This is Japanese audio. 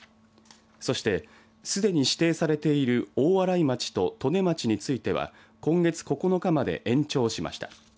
そして、すでに指定されている大洗町と利根町については今月９日まで延長しました。